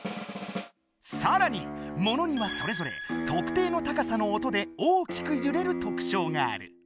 さらに物にはそれぞれ特定の高さの音で大きくゆれるとくちょうがある。